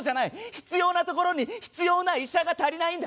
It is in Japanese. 必要な所に必要な医者が足りないんだ！